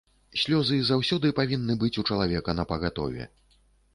Слёзы заўсёды павінны быць у чалавека напагатове.